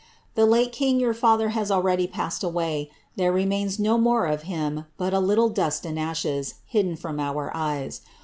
The late king, your father, has already passed away ; there remains no more of him but a little dust and ashes, hidden fVom our eyes.